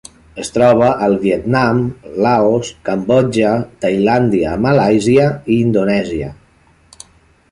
Es troba al Vietnam, Laos, Cambodja, Tailàndia, Malàisia i Indonèsia.